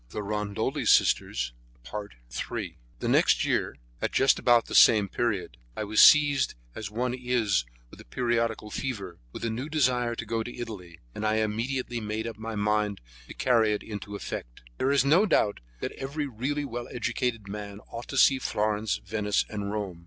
III The next year, at just about the same period, I was seized as one is with a periodical fever, with a new desire to go to Italy, and I immediately made up my mind to carry it into effect. There is no doubt that every really well educated man ought to see Florence, Venice and Rome.